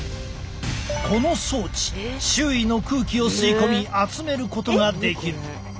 この装置周囲の空気を吸い込み集めることができる。